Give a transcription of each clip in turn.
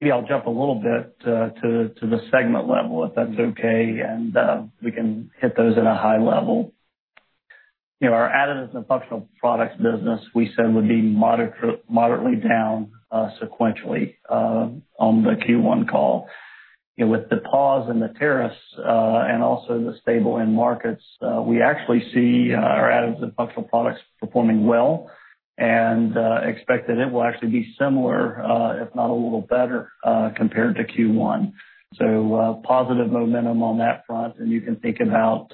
Maybe I'll jump a little bit to the segment level, if that's okay, and we can hit those at a high level. Our Additive and Functional Products business, we said, would be moderately down sequentially on the Q1 call. With the pause in the tariffs and also the stable end markets, we actually see our Additive and Functional Products performing well and expect that it will actually be similar, if not a little better, compared to Q1. Positive momentum on that front, and you can think about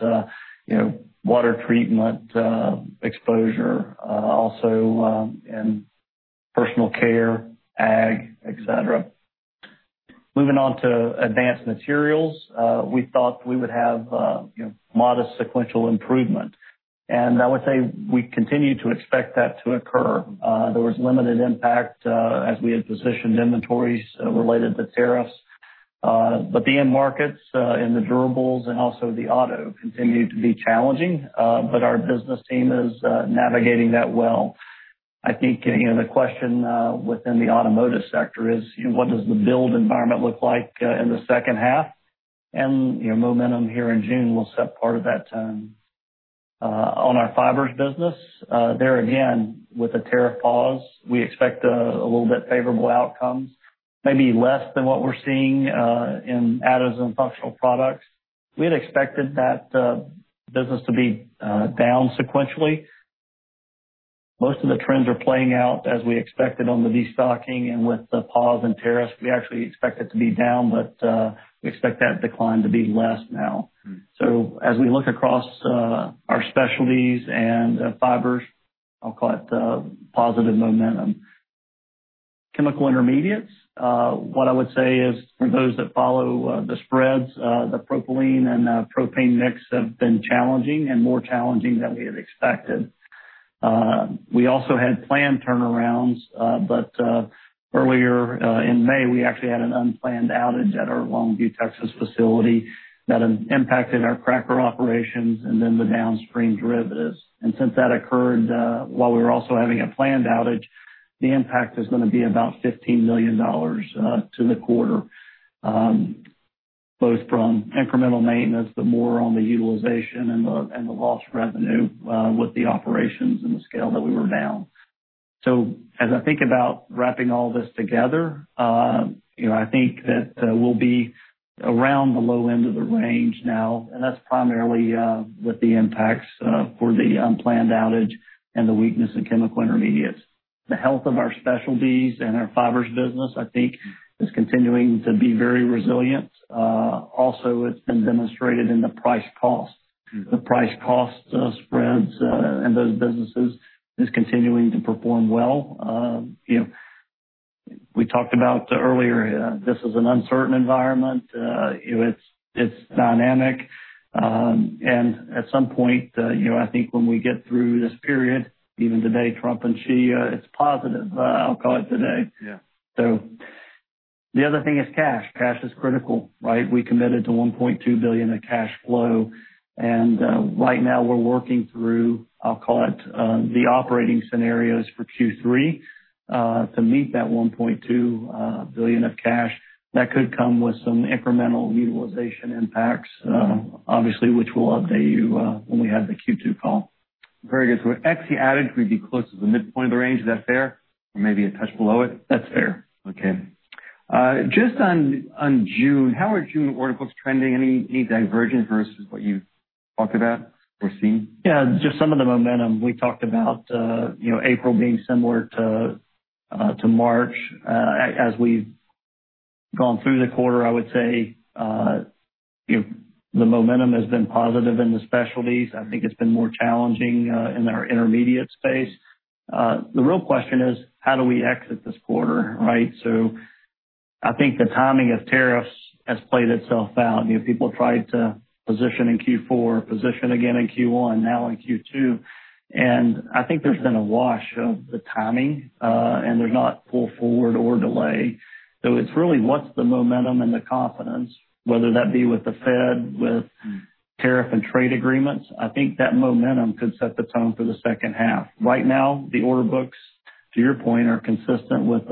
water treatment exposure, also in personal care, ag, etc. Moving on to Advanced Materials, we thought we would have modest sequential improvement, and I would say we continue to expect that to occur. There was limited impact as we had positioned inventories related to tariffs, but the end markets in the durables and also the auto continue to be challenging, but our business team is navigating that well. I think the question within the automotive sector is, what does the build environment look like in the second half? Momentum here in June will set part of that tone. On our fibers business, there again, with the tariff pause, we expect a little bit favorable outcomes, maybe less than what we're seeing in additive and functional products. We had expected that business to be down sequentially. Most of the trends are playing out as we expected on the destocking and with the pause in tariffs. We actually expect it to be down, but we expect that decline to be less now. As we look across our specialties and fibers, I'll call it positive momentum. Chemical intermediates, what I would say is for those that follow the spreads, the propylene and propane mix have been challenging and more challenging than we had expected. We also had planned turnarounds, but earlier in May, we actually had an unplanned outage at our Longview, Texas facility that impacted our cracker operations and then the downstream derivatives. Since that occurred while we were also having a planned outage, the impact is going to be about $15 million to the quarter, both from incremental maintenance, but more on the utilization and the lost revenue with the operations and the scale that we were down. As I think about wrapping all this together, I think that we'll be around the low end of the range now, and that's primarily with the impacts for the unplanned outage and the weakness in chemical intermediates. The health of our specialties and our fibers business, I think, is continuing to be very resilient. Also, it's been demonstrated in the price cost. The price cost spreads in those businesses are continuing to perform well. We talked about earlier, this is an uncertain environment. It's dynamic, and at some point, I think when we get through this period, even today, Trump and Xi, it's positive, I'll call it today. The other thing is cash. Cash is critical, right? We committed to $1.2 billion of cash flow, and right now we're working through, I'll call it the operating scenarios for Q3 to meet that $1.2 billion of cash. That could come with some incremental utilization impacts, obviously, which we'll update you when we have the Q2 call. Very good. Ex-additive, we'd be close to the midpoint of the range. Is that fair? Or maybe a touch below it? That's fair. Okay. Just on June, how are June order books trending? Any divergence versus what you talked about or seen? Yeah, just some of the momentum. We talked about April being similar to March as we've gone through the quarter. I would say the momentum has been positive in the specialties. I think it's been more challenging in our intermediate space. The real question is, how do we exit this quarter, right? I think the timing of tariffs has played itself out. People tried to position in Q4, position again in Q1, now in Q2, and I think there's been a wash of the timing, and there's not pull forward or delay. It's really what's the momentum and the confidence, whether that be with the Fed, with tariff and trade agreements. I think that momentum could set the tone for the second half. Right now, the order books, to your point, are consistent with,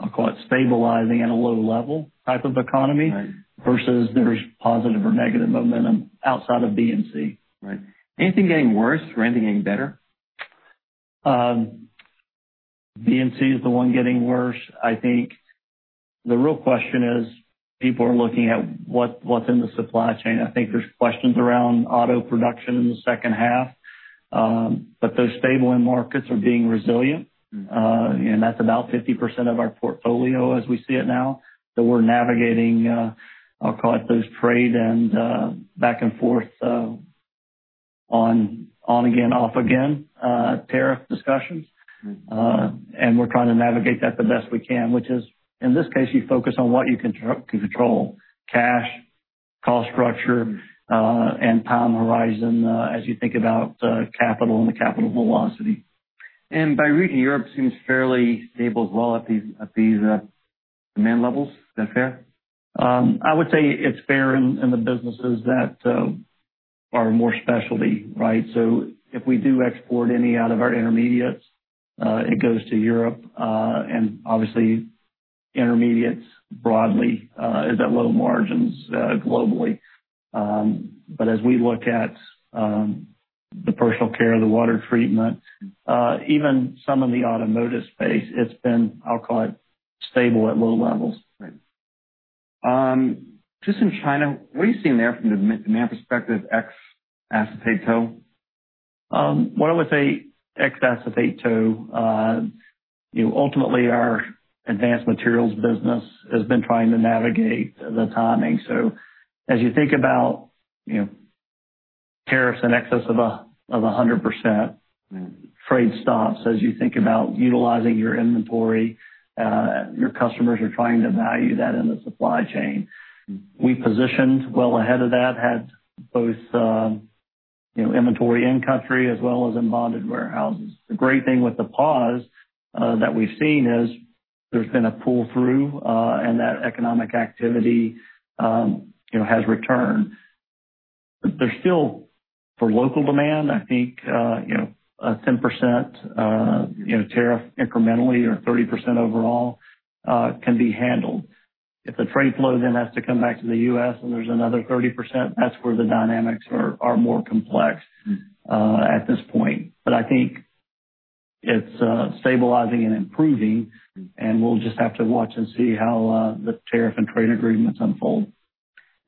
I'll call it, stabilizing at a low level type of economy versus there's positive or negative momentum outside of BNC. Right. Anything getting worse or anything getting better? BNC is the one getting worse. I think the real question is people are looking at what's in the supply chain. I think there's questions around auto production in the second half, but those stable end markets are being resilient, and that's about 50% of our portfolio as we see it now. We are navigating, I'll call it those trade and back and forth on again, off again tariff discussions, and we're trying to navigate that the best we can, which is in this case, you focus on what you can control: cash, cost structure, and time horizon as you think about capital and the capital velocity. By region, Europe seems fairly stable as well at these demand levels. Is that fair? I would say it's fair in the businesses that are more specialty, right? If we do export any out of our intermediates, it goes to Europe, and obviously intermediates broadly is at low margins globally. As we look at the personal care, the water treatment, even some of the automotive space, it's been, I'll call it stable at low levels. Right. Just in China, what are you seeing there from the demand perspective ex-acetate tow? What I would say ex-acetate tow, ultimately our Advanced Materials business has been trying to navigate the timing. As you think about tariffs in excess of 100%, trade stops as you think about utilizing your inventory, your customers are trying to value that in the supply chain. We positioned well ahead of that, had both inventory in country as well as in bonded warehouses. The great thing with the pause that we have seen is there has been a pull through and that economic activity has returned. There is still, for local demand, I think a 10% tariff incrementally or 30% overall can be handled. If the trade flow then has to come back to the U.S. and there is another 30%, that is where the dynamics are more complex at this point. I think it's stabilizing and improving, and we'll just have to watch and see how the tariff and trade agreements unfold.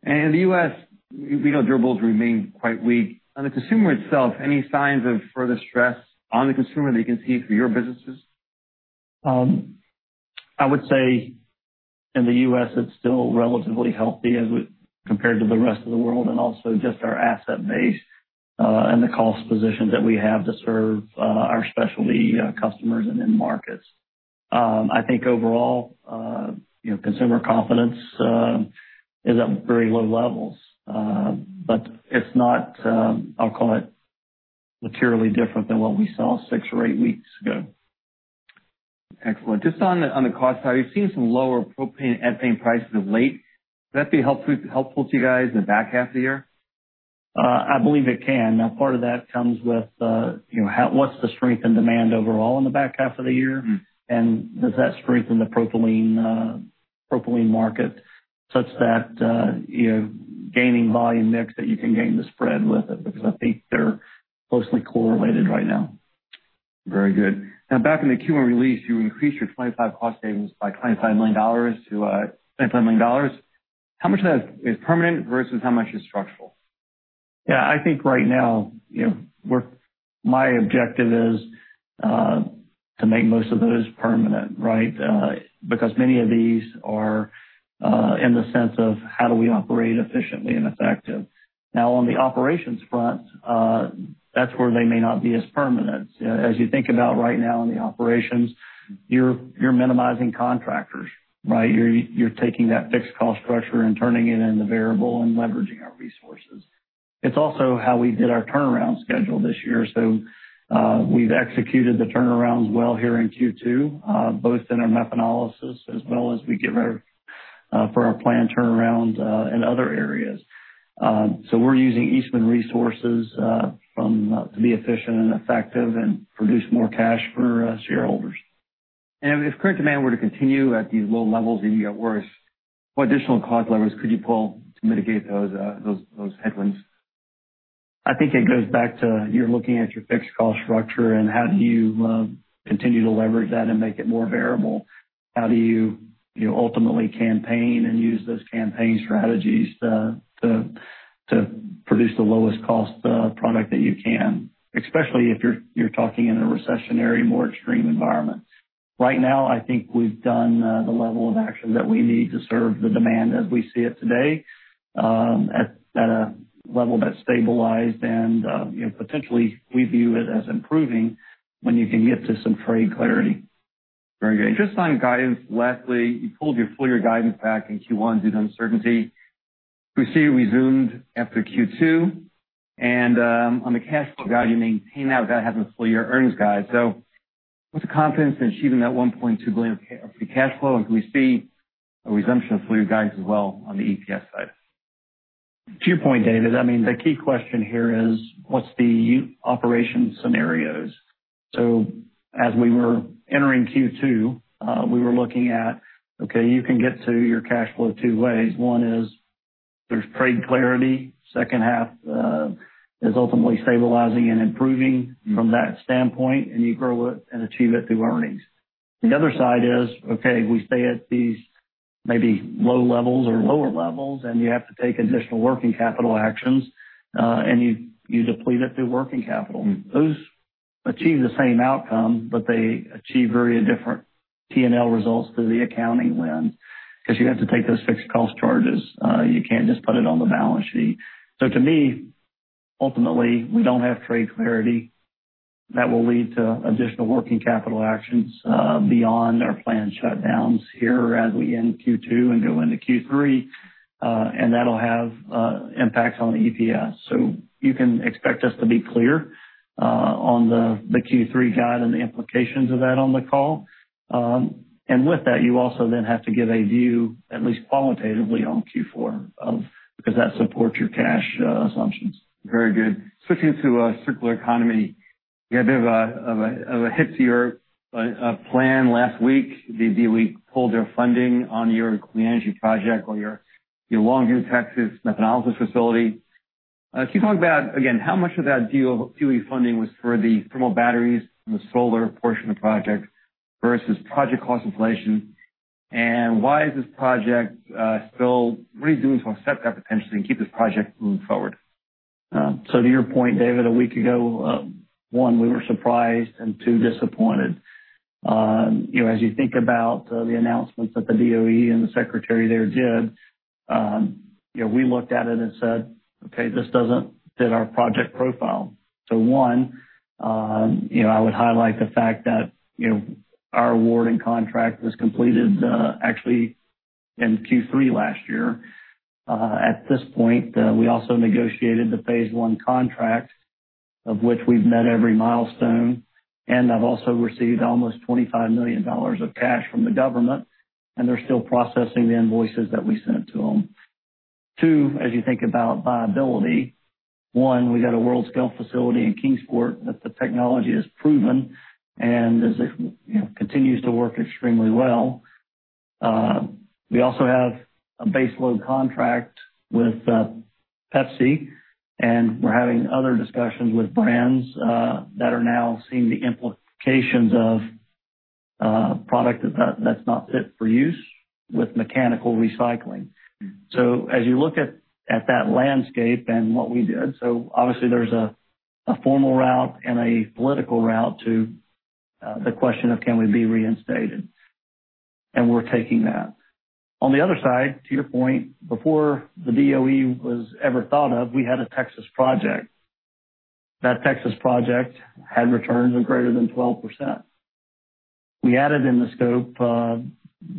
In the U.S., we know durables remain quite weak. On the consumer itself, any signs of further stress on the consumer that you can see for your businesses? I would say in the U.S., it's still relatively healthy compared to the rest of the world and also just our asset base and the cost position that we have to serve our specialty customers and in markets. I think overall, consumer confidence is at very low levels, but it's not, I'll call it materially different than what we saw six or eight weeks ago. Excellent. Just on the cost side, we've seen some lower propane and ethane prices of late. Would that be helpful to you guys in the back half of the year? I believe it can. Now, part of that comes with what's the strength in demand overall in the back half of the year, and does that strengthen the propylene market such that gaining volume mix that you can gain the spread with it? Because I think they're closely correlated right now. Very good. Now, back in the Q1 release, you increased your 2025 cost savings by $25 million to $25 million. How much of that is permanent versus how much is structural? Yeah, I think right now, my objective is to make most of those permanent, right? Because many of these are in the sense of how do we operate efficiently and effective. Now, on the operations front, that's where they may not be as permanent. As you think about right now in the operations, you're minimizing contractors, right? You're taking that fixed cost structure and turning it into variable and leveraging our resources. It's also how we did our turnaround schedule this year. We've executed the turnarounds well here in Q2, both in our methanolysis as well as we get ready for our planned turnaround in other areas. We're using Eastman resources to be efficient and effective and produce more cash for shareholders. If current demand were to continue at these low levels and even get worse, what additional cost levers could you pull to mitigate those headwinds? I think it goes back to you're looking at your fixed cost structure and how do you continue to leverage that and make it more variable? How do you ultimately campaign and use those campaign strategies to produce the lowest cost product that you can, especially if you're talking in a recessionary, more extreme environment? Right now, I think we've done the level of action that we need to serve the demand as we see it today at a level that's stabilized and potentially we view it as improving when you can get to some trade clarity. Very good. Just on guidance, lastly, you pulled your full year guidance back in Q1 due to uncertainty. We see it resumed after Q2, and on the cash flow guide, you maintain that without having the full year earnings guide. What's the confidence in achieving that $1.2 billion of cash flow, and can we see a resumption of full year guidance as well on the EPS side? To your point, David, I mean, the key question here is what's the operation scenarios? As we were entering Q2, we were looking at, okay, you can get to your cash flow two ways. One is there's trade clarity. Second half is ultimately stabilizing and improving from that standpoint, and you grow it and achieve it through earnings. The other side is, okay, we stay at these maybe low levels or lower levels, and you have to take additional working capital actions, and you deplete it through working capital. Those achieve the same outcome, but they achieve very different P&L results through the accounting lens because you have to take those fixed cost charges. You can't just put it on the balance sheet. To me, ultimately, we do not have trade clarity that will lead to additional working capital actions beyond our planned shutdowns here as we end Q2 and go into Q3, and that will have impacts on EPS. You can expect us to be clear on the Q3 guide and the implications of that on the call. With that, you also then have to give a view, at least qualitatively on Q4, because that supports your cash assumptions. Very good. Switching to circular economy, you had a bit of a hit to your plan last week, the DOE pulled their funding on your clean energy project or your Longview, Texas methanolysis facility. Can you talk about, again, how much of that DOE funding was for the thermal batteries and the solar portion of the project versus project cost inflation? And why is this project still—what are you doing to accept that potentially and keep this project moving forward? To your point, David, a week ago, one, we were surprised and two, disappointed. As you think about the announcements that the DOE and the secretary there did, we looked at it and said, "Okay, this does not fit our project profile." One, I would highlight the fact that our award and contract was completed actually in Q3 last year. At this point, we also negotiated the phase one contract, of which we have met every milestone, and have also received almost $25 million of cash from the government, and they are still processing the invoices that we sent to them. Two, as you think about viability, one, we have a world scale facility in Kingsport that the technology has proven and continues to work extremely well. We also have a base load contract with Pepsi, and we're having other discussions with brands that are now seeing the implications of product that's not fit for use with mechanical recycling. As you look at that landscape and what we did, obviously there's a formal route and a political route to the question of can we be reinstated, and we're taking that. On the other side, to your point, before the DOE was ever thought of, we had a Texas project. That Texas project had returns of greater than 12%. We added in the scope,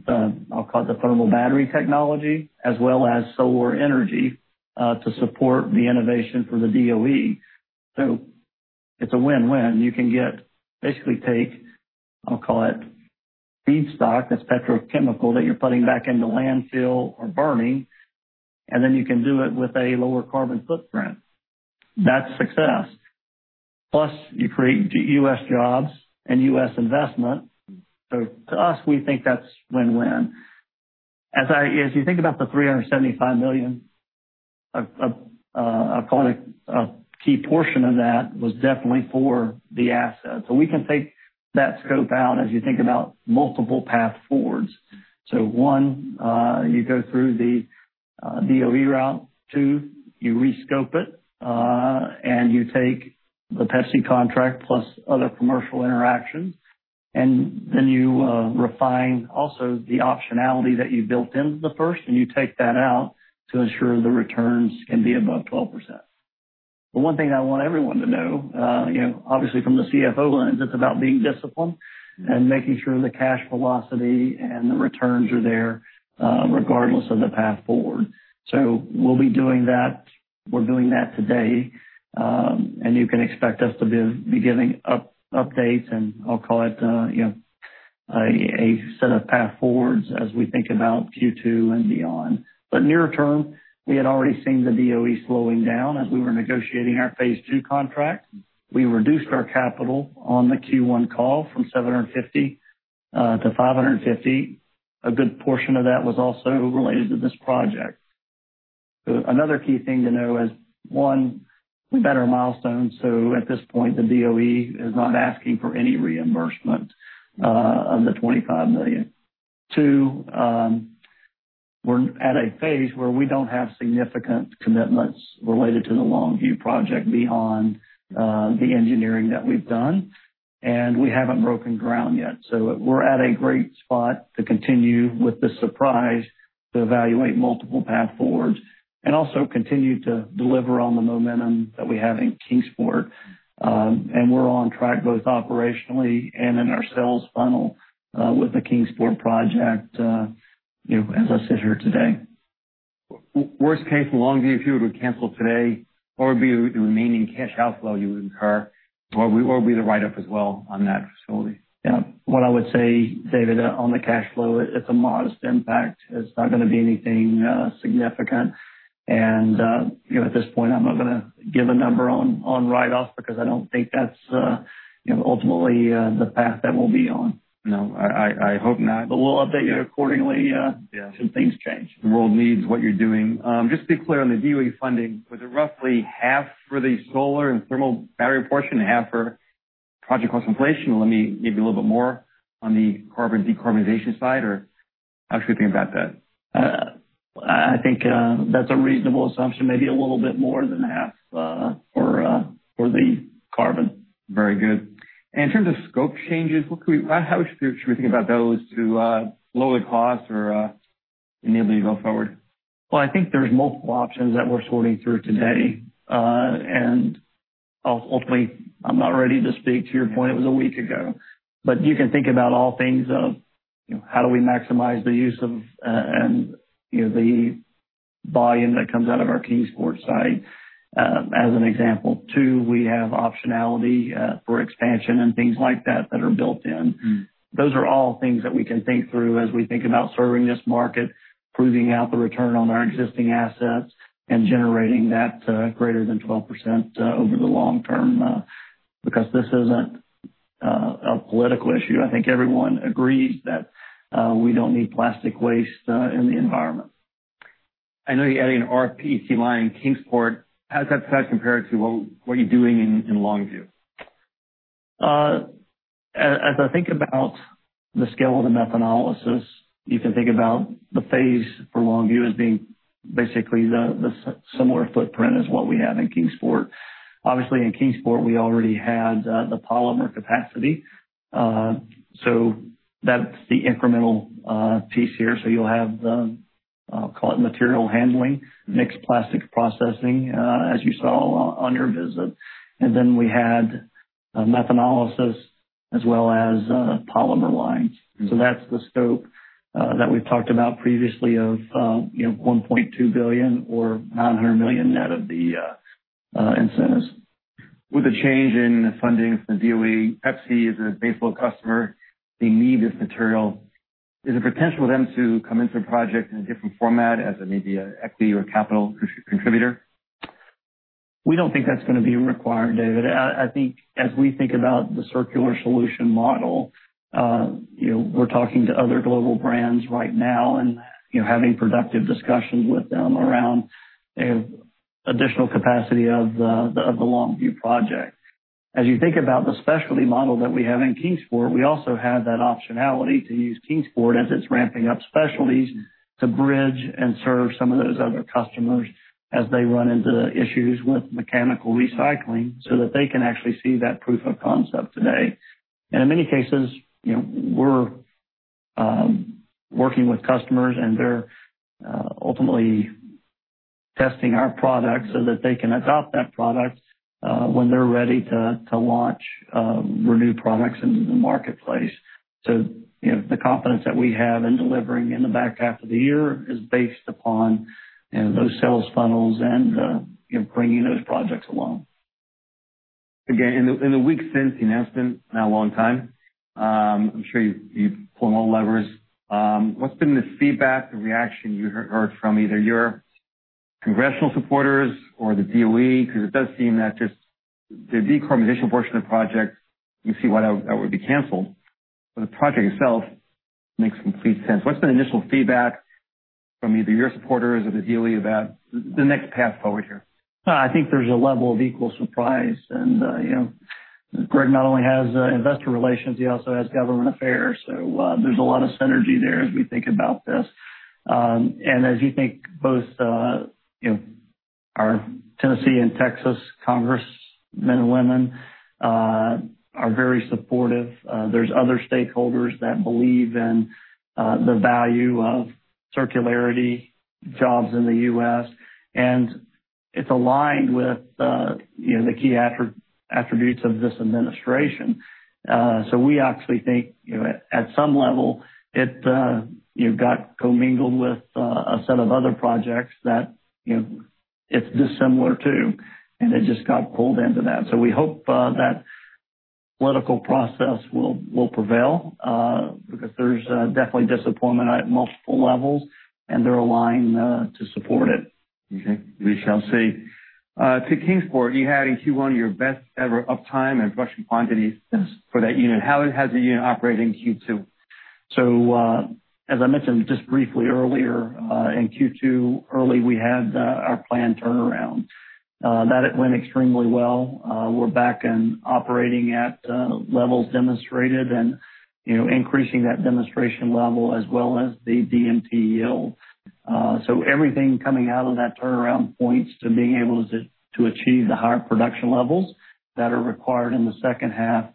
I'll call it the thermal battery technology, as well as solar energy to support the innovation for the DOE. It's a win-win. You can basically take, I'll call it feedstock that's petrochemical that you're putting back into landfill or burning, and then you can do it with a lower carbon footprint. That's success. Plus, you create U.S. jobs and U.S. investment. To us, we think that's win-win. As you think about the $375 million, I'll call it a key portion of that was definitely for the asset. We can take that scope out as you think about multiple path forwards. One, you go through the DOE route. Two, you rescope it and you take the Pepsi contract plus other commercial interactions, and then you refine also the optionality that you built into the first, and you take that out to ensure the returns can be above 12%. The one thing I want everyone to know, obviously from the CFO lens, it's about being disciplined and making sure the cash velocity and the returns are there regardless of the path forward. We'll be doing that. We're doing that today, and you can expect us to be giving updates, and I'll call it a set of path forwards as we think about Q2 and beyond. Near term, we had already seen the DOE slowing down as we were negotiating our phase two contract. We reduced our capital on the Q1 call from $750 million to $550 million. A good portion of that was also related to this project. Another key thing to know is, one, we met our milestones. At this point, the DOE is not asking for any reimbursement of the $25 million. Two, we're at a phase where we do not have significant commitments related to the Longview project beyond the engineering that we've done, and we have not broken ground yet. We're at a great spot to continue with the surprise to evaluate multiple path forwards and also continue to deliver on the momentum that we have in Kingsport. We're on track both operationally and in our sales funnel with the Kingsport project as I sit here today. Worst case, the Longview fuel would cancel today. What would be the remaining cash outflow you would incur, or would we be the write-off as well on that facility? Yeah. What I would say, David, on the cash flow, it's a modest impact. It's not going to be anything significant. At this point, I'm not going to give a number on write-off because I don't think that's ultimately the path that we'll be on. No, I hope not. We'll update you accordingly should things change. The world needs what you're doing. Just to be clear on the DOE funding, was it roughly half for the solar and thermal battery portion and half for project cost inflation? Or maybe a little bit more on the decarbonization side, or how should we think about that? I think that's a reasonable assumption, maybe a little bit more than half for the carbon. Very good. In terms of scope changes, how should we think about those to lower the cost or enable you to go forward? I think there's multiple options that we're sorting through today. Ultimately, I'm not ready to speak to your point. It was a week ago. You can think about all things of how do we maximize the use of and the volume that comes out of our Kingsport site, as an example. We have optionality for expansion and things like that that are built in. Those are all things that we can think through as we think about serving this market, proving out the return on our existing assets, and generating that greater than 12% over the long term because this isn't a political issue. I think everyone agrees that we don't need plastic waste in the environment. I know you added an RPC line in Kingsport. How does that compare to what you're doing in Longview? As I think about the scale of the methanolysis, you can think about the phase for Longview as being basically the similar footprint as what we have in Kingsport. Obviously, in Kingsport, we already had the polymer capacity. So that's the incremental piece here. You'll have, I'll call it material handling, mixed plastic processing, as you saw on your visit. Then we had methanolysis as well as polymer lines. That's the scope that we've talked about previously of $1.2 billion or $900 million net of the incentives. With the change in funding from the DOE, Pepsi is a base load customer. They need this material. Is it potential for them to come into a project in a different format as maybe an equity or capital contributor? We don't think that's going to be required, David. I think as we think about the circular solution model, we're talking to other global brands right now and having productive discussions with them around additional capacity of the Longview project. As you think about the specialty model that we have in Kingsport, we also have that optionality to use Kingsport as it's ramping up specialties to bridge and serve some of those other customers as they run into issues with mechanical recycling so that they can actually see that proof of concept today. In many cases, we're working with customers, and they're ultimately testing our product so that they can adopt that product when they're ready to launch or new products into the marketplace. The confidence that we have in delivering in the back half of the year is based upon those sales funnels and bringing those projects along. Again, in the week since the announcement, not a long time, I'm sure you've pulled all levers. What's been the feedback and reaction you heard from either your congressional supporters or the DOE? It does seem that just the decarbonization portion of the project, you see why that would be canceled. The project itself makes complete sense. What's been the initial feedback from either your supporters or the DOE about the next path forward here? I think there's a level of equal surprise. Greg not only has investor relations, he also has government affairs. There is a lot of synergy there as we think about this. As you think, both our Tennessee and Texas congressmen and women are very supportive. There are other stakeholders that believe in the value of circularity jobs in the U.S., and it is aligned with the key attributes of this administration. We actually think at some level, it got commingled with a set of other projects that it is dissimilar to, and it just got pulled into that. We hope that political process will prevail because there is definitely disappointment at multiple levels, and they are aligned to support it. Okay. We shall see. To Kingsport, you had in Q1 your best ever uptime and production quantities for that unit. How has the unit operated in Q2? As I mentioned just briefly earlier, in Q2 early, we had our planned turnaround. That went extremely well. We are back in operating at levels demonstrated and increasing that demonstration level as well as the DMT yield. Everything coming out of that turnaround points to being able to achieve the higher production levels that are required in the second half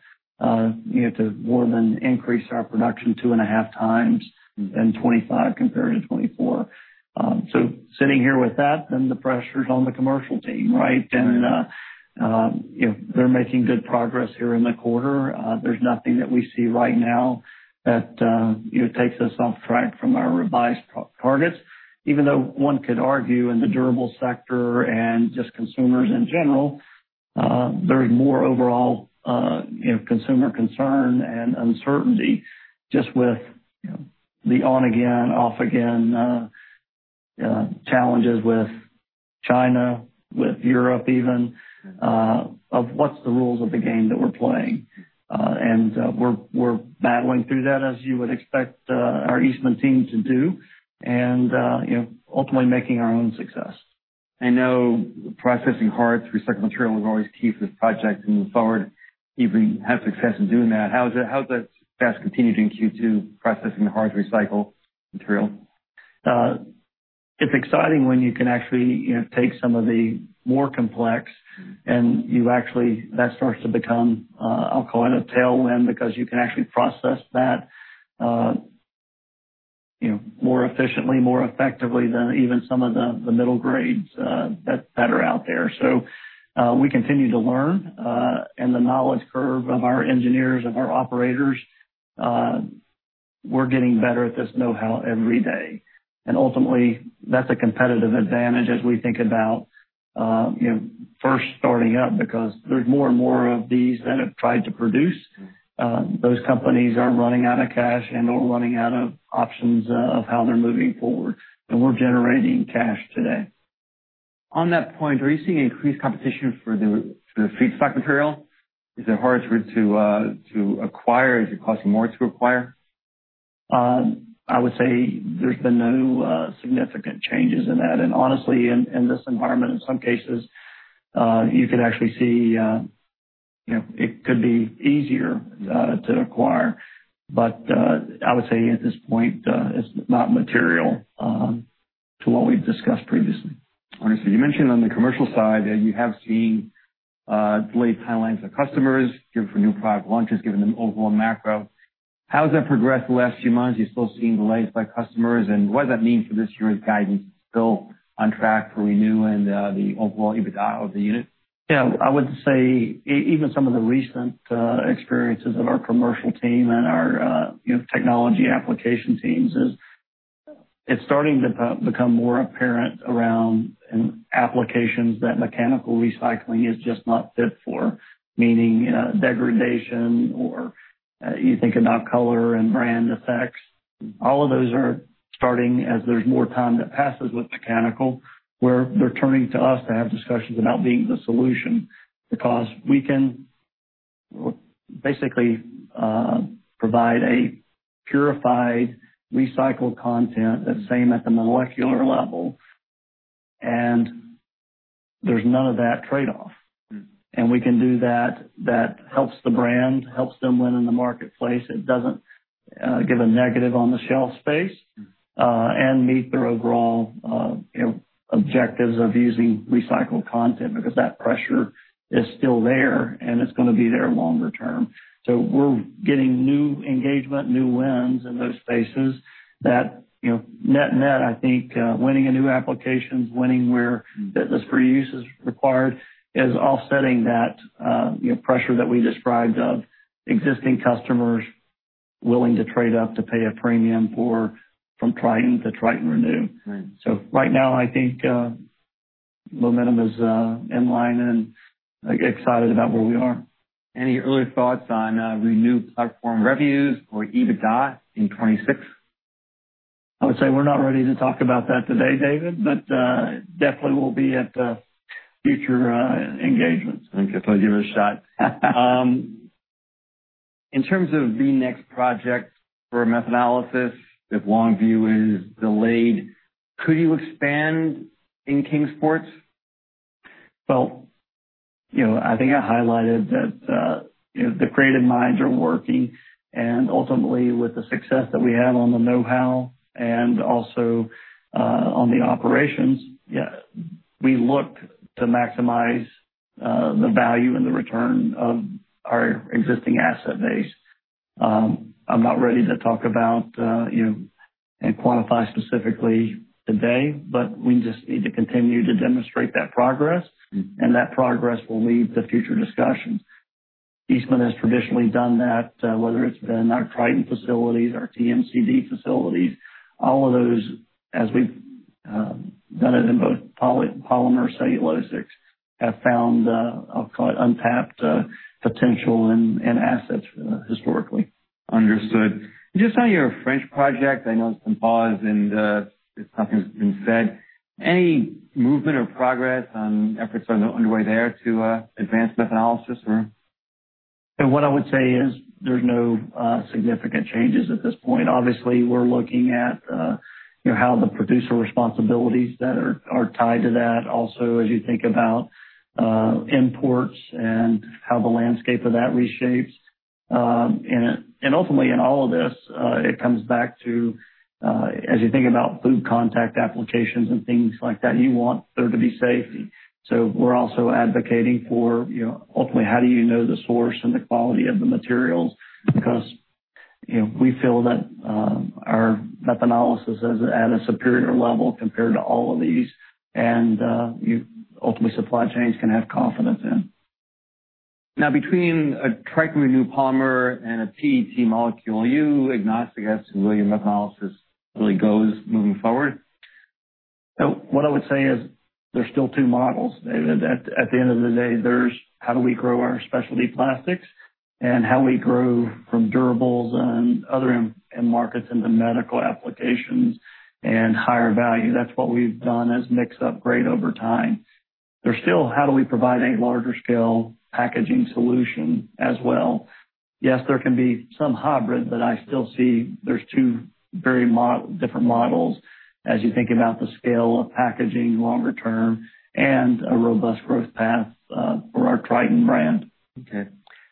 to more than increase our production two and a half times in 2025 compared to 2024. Sitting here with that, the pressure is on the commercial team, right? They are making good progress here in the quarter. There's nothing that we see right now that takes us off track from our revised targets, even though one could argue in the durable sector and just consumers in general, there's more overall consumer concern and uncertainty just with the on-again, off-again challenges with China, with Europe even, of what's the rules of the game that we're playing. We're battling through that, as you would expect our Eastman team to do, and ultimately making our own success. I know processing hard recycled material is always key for this project moving forward. You've had success in doing that. How's that success continued in Q2 processing the hard recycled material? It's exciting when you can actually take some of the more complex, and that starts to become, I'll call it a tailwind because you can actually process that more efficiently, more effectively than even some of the middle grades that are out there. We continue to learn, and the knowledge curve of our engineers, of our operators, we're getting better at this know-how every day. Ultimately, that's a competitive advantage as we think about first starting up because there's more and more of these that have tried to produce. Those companies are running out of cash and/or running out of options of how they're moving forward. We're generating cash today. On that point, are you seeing increased competition for the feedstock material? Is it harder to acquire? Is it costing more to acquire? I would say there's been no significant changes in that. Honestly, in this environment, in some cases, you can actually see it could be easier to acquire. I would say at this point, it's not material to what we've discussed previously. All right. You mentioned on the commercial side that you have seen delayed timelines of customers, given for new product launches, given the overall macro. How has that progressed in the last few months? Are you still seeing delays by customers? What does that mean for this year's guidance? Is it still on track for renewing the overall EBITDA of the unit? Yeah. I would say even some of the recent experiences of our commercial team and our technology application teams is it's starting to become more apparent around applications that mechanical recycling is just not fit for, meaning degradation or you think about color and brand effects. All of those are starting as there's more time that passes with mechanical where they're turning to us to have discussions about being the solution because we can basically provide a purified recycled content that's same at the molecular level, and there's none of that trade-off. We can do that. That helps the brand, helps them win in the marketplace. It doesn't give a negative on the shelf space and meet their overall objectives of using recycled content because that pressure is still there, and it's going to be there longer term. We're getting new engagement, new wins in those spaces that net-net, I think winning in new applications, winning where business for use is required, is offsetting that pressure that we described of existing customers willing to trade up to pay a premium from Triton to Triton Renew. Right now, I think momentum is in line and excited about where we are. Any early thoughts on Renew platform revenues or EBITDA in 2026? I would say we're not ready to talk about that today, David, but definitely we'll be at future engagements. I think I'll give it a shot. In terms of the next project for methanolysis, if Longview is delayed, could you expand in Kingsport? I think I highlighted that the creative minds are working. Ultimately, with the success that we have on the know-how and also on the operations, we look to maximize the value and the return of our existing asset base. I'm not ready to talk about and quantify specifically today, but we just need to continue to demonstrate that progress. That progress will lead to future discussions. Eastman has traditionally done that, whether it's been our Triton facilities, our TMCD facilities, all of those, as we've done it in both polymer cellulosics, have found, I'll call it untapped potential and assets historically. Understood. Just on your French project, I know it's been paused and something's been said. Any movement or progress on efforts underway there to advance methanolysis or? What I would say is there's no significant changes at this point. Obviously, we're looking at how the producer responsibilities that are tied to that also, as you think about imports and how the landscape of that reshapes. Ultimately, in all of this, it comes back to, as you think about food contact applications and things like that, you want there to be safety. We're also advocating for, ultimately, how do you know the source and the quality of the materials? Because we feel that our methanolysis is at a superior level compared to all of these, and ultimately, supply chains can have confidence in. Now, between a Triton Renew polymer and a PET molecule, you agnostic as to whether your methanolysis really goes moving forward? What I would say is there's still two models, David. At the end of the day, there's how do we grow our specialty plastics and how we grow from durables and other markets into medical applications and higher value. That's what we've done as mix-up grade over time. There's still how do we provide a larger scale packaging solution as well. Yes, there can be some hybrid, but I still see there's two very different models as you think about the scale of packaging longer term and a robust growth path for our Triton brand. Okay.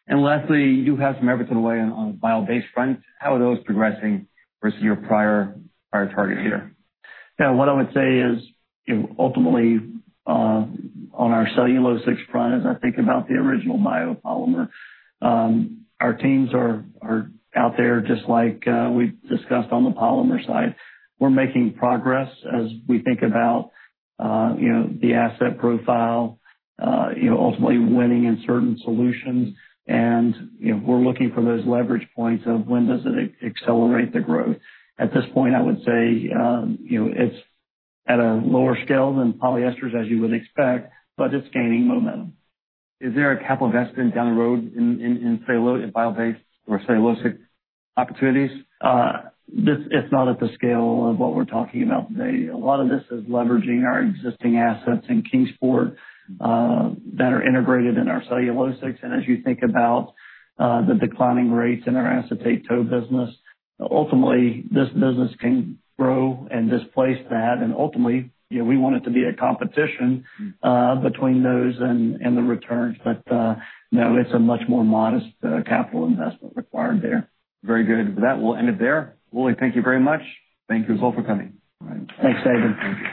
Lastly, you do have some efforts underway on a bio-based front. How are those progressing versus your prior target here? Yeah. What I would say is ultimately, on our cellulosics front, as I think about the original biopolymer, our teams are out there just like we discussed on the polymer side. We're making progress as we think about the asset profile, ultimately winning in certain solutions. We're looking for those leverage points of when does it accelerate the growth. At this point, I would say it's at a lower scale than polyesters, as you would expect, but it's gaining momentum. Is there a capital investment down the road in cellulosic and bio-based or cellulosic opportunities? It's not at the scale of what we're talking about today. A lot of this is leveraging our existing assets in Kingsport that are integrated in our cellulosics. As you think about the declining rates in our acetate tow business, ultimately, this business can grow and displace that. Ultimately, we want it to be a competition between those and the returns. No, it's a much more modest capital investment required there. Very good. With that, we'll end it there. Willie, thank you very much. Thank you as well for coming. Thanks, David. Thank you.